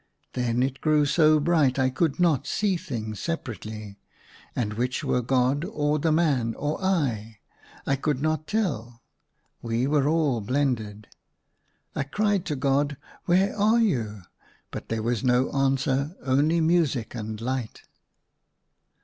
Then it grew so bright I could not see things separately ; and which were God, or the man, or I, I could not tell ; we were all blended. I cried to God, "Where are you ?" but there was no answer, only music and light.